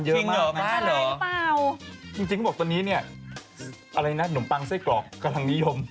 จริงเขาบอกว่าตอนนี้น้ำปังไส้กรอกกำลังนิยม